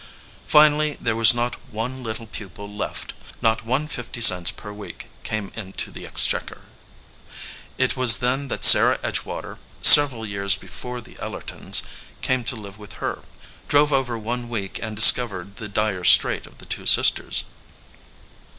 Finally there was not one little pupil left, not one fifty cents per week came into the exchequer. It was then that Sarah Edgewater, several years before the Ellertons came to live with her, drove over one week and discovered the dire strait of the two sisters.